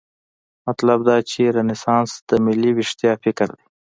مطلب دا چې رنسانس د ملي ویښتیا فکر دی.